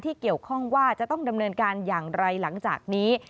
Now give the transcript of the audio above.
เกี่ยวข้องว่าจะต้องดำเนินการอย่างไรหลังจากนี้